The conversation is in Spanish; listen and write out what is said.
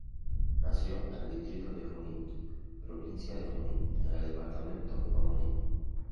Nació en el distrito de Junín, provincia de Junín, en el departamento homónimo.